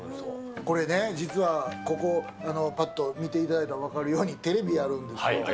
これね、実はここ、ぱっと見ていただいたら分かるように、テレビあるんですよ。